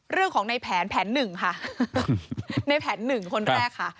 เรื่องของในแผนแผนหนึ่งค่ะในแผนหนึ่งคนแรกค่ะ